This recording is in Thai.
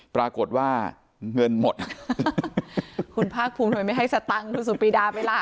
ปรากฏว่าเงินหมดคุณภาคภูมิไม่ให้สัตว์ตังศุตรปรีดาเวลา